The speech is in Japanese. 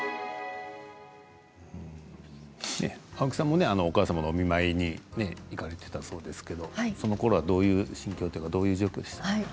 青木さんもお母さんのお見舞いに行かれていたそうですけれども、そのころはどういう心境というかどういう状況だったんですか？